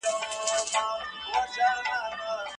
که څوک پر ناحقه په غصه سوی وي.